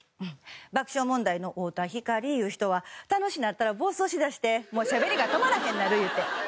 爆笑問題の太田光いう人は楽しなったら暴走しだしてもうしゃべりが止まらへんなるいうて。